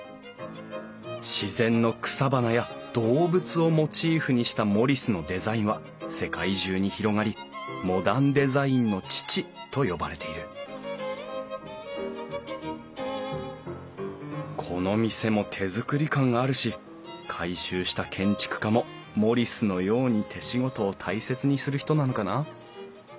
自然の草花や動物をモチーフにしたモリスのデザインは世界中に広がりモダンデザインの父と呼ばれているこの店も手作り感あるし改修した建築家もモリスのように手仕事を大切にする人なのかな？